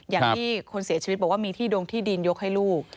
อย่างที่คนเสียชีวิตบอกว่ามีที่ดงที่ดินยกให้ลูก